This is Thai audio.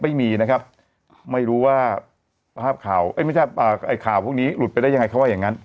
ไม่มีนะครับไม่รู้ว่าภาพข่าวพวกนี้หลุดไปได้ยังไงเขาว่าอย่างนั้น